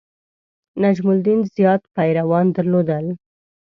نجم الدین زیات پیروان درلودل.